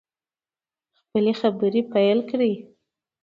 خپلې خبرې پیل کړې.